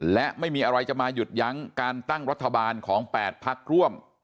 และไม่มีอะไรจะมาหยุดยั้งการตั้งรัฐบาลของ๘พักร่วม